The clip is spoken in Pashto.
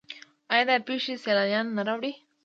آیا دا پیښې سیلانیان نه راوړي؟